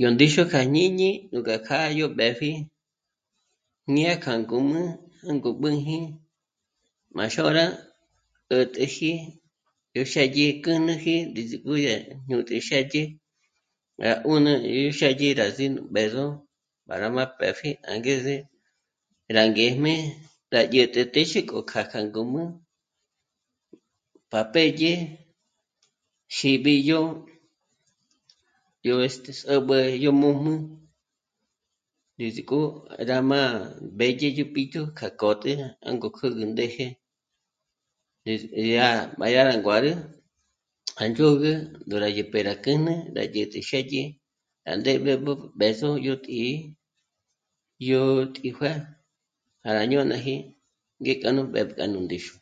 Yó ndíxu kja jñíni núkja kjâ'a yó b'ë́pji ñé'e kja ngûm'ü jângo b'ǚnji má xôra 'ä̀t'äji 'éxedyí k'ünüji ndézi k'u dyä̀t'ä xë́dyi rá 'ùni rí xë́dyi ná sî'i nú b'ë̌zo para má pë́pji angeze rá ngéjm'e rá dyä̀t'ä téxe k'o kjâ'a kja ngûm'ü pa pèdye xîbiyó yó... este... sób'üyé yó jmū̌jmū rí zìk'o k'a má mbédye yó b'íjtu ka kô'te jângo kǜgü ndéje eh... ma yá nà nguáru à ndzhôgü ndó rá dyèpje rá kjǜ'nü rá dyä̀t'ä xë́dyi à ndéb'éb'ü yó b'ë̌zo yó tǐ'i yó tǐjue'e para ñônaji ngé k'a nú mbépkja k'a nú ndíxu